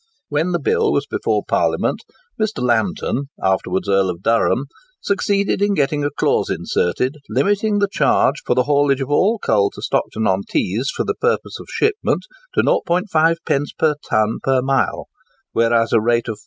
When the bill was before Parliament, Mr. Lambton (afterwards Earl of Durham) succeeded in getting a clause inserted, limiting the charge for the haulage of all coal to Stockton on Tees for the purpose of shipment to ½d. per ton per mile; whereas a rate of 4d.